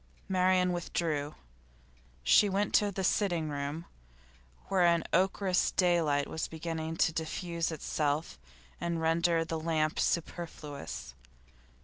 Marian withdrew. She went to the sitting room, where an ochreous daylight was beginning to diffuse itself and to render the lamp superfluous.